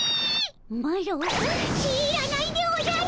マロ知らないでおじゃる。